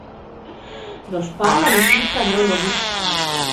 Zaspana lisica ne ulovi piščancev.